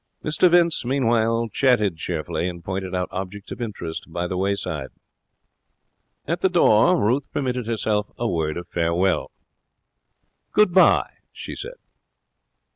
Mr Vince, meanwhile, chatted cheerfully, and pointed out objects of interest by the wayside. At the door Ruth permitted herself a word of farewell. 'Good bye,' she said.